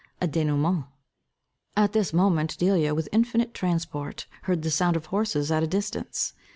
A Denouement. At this moment, Delia with infinite transport, heard the sound of horses at a distance.